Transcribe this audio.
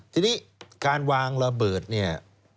ทีนี้การวางระเบิดเนี่ย